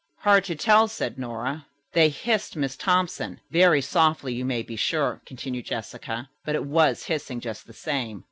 "Hard to tell," said Nora. "They hissed Miss Thompson. Very softly, you may be sure," continued Jessica, "but it was hissing, just the same.